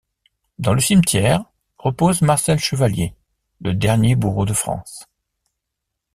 Dans le cimetière repose Marcel Chevalier, le dernier bourreau de France.